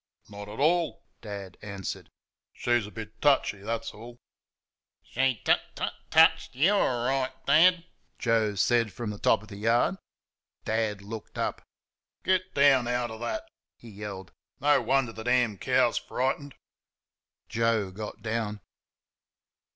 "Not at all," Dad answered; "she's a bit touchy, that's all." "She tut tut TUTCHED YOU orright, Dad," Joe said from the top of the yard. Dad looked up. "Get down outer THAT!" he yelled. "No wonder the damn cow's frightened." Joe got down.